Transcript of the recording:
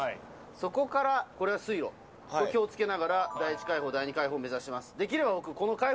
そこから、これは水路、これ、気をつけながら、第一海堡、第二海堡を目指します。